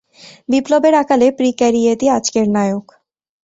বিপ্লবের আকালে প্রিক্যারিয়েতই আজকের নায়ক।